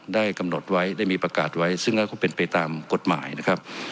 ได้กำหนดไว้ได้มีประกาศไว้ซึ่งก็เป็นไปตามกฎหมายนะครับ